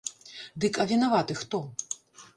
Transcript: Дык а вінаваты хто?